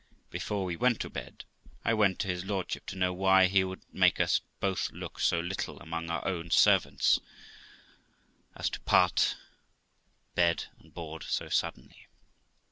Before we went to bed, I went to his lordship to know why he would make us both look so little among our own servants, as to part, bed and board, so suddenly.